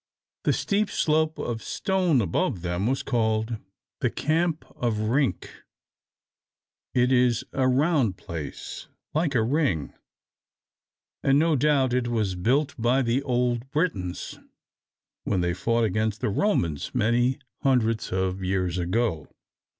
The steep slope of stone above them was named the Camp of Rink; it is a round place, like a ring, and no doubt it was built by the old Britons, when they fought against the Romans, many hundreds of years ago.